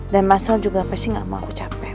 dan mas al juga pasti gak mau aku capek